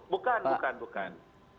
bukan bukan bukan